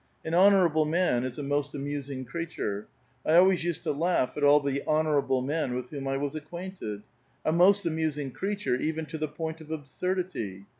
An honorable man is a most amusing creature. I always used to laugh at all the honorable men with whom I was acquainted. A most amusing creature, even to the point of absurdity